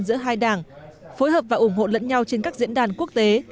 giữa hai đảng phối hợp và ủng hộ lẫn nhau trên các diễn đàn quốc tế